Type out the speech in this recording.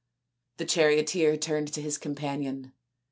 The charioteer turned to his companion.